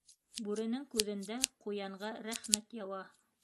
Бүренең күҙендә ҡуянға рәхмәт яуа.